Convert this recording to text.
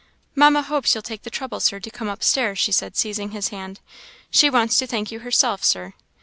"Mamma hopes you'll take the trouble, Sir, to come up stairs," she said, seizing his hand; "she wants to thank you herself, Sir."